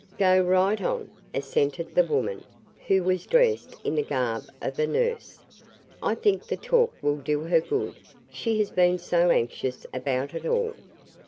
"Go right on," assented the woman, who was dressed in the garb of a nurse. "I think the talk will do her good; she has been so anxious about it all."